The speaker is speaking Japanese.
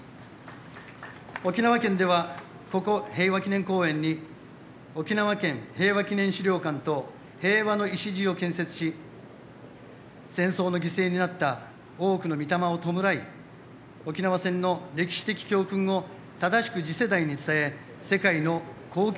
沖縄県では、ここ平和祈念公園に沖縄県平和祈念資料館と平和の礎を建設し戦争の犠牲になった多くのみ霊を弔い、沖縄戦の歴史的教訓を正しく次世代に伝え世界の恒久